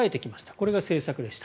これが政策でした。